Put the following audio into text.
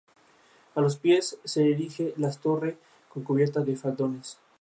El período de floración se extiende de abril a junio.